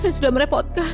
saya sudah merepotkan